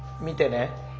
見てね。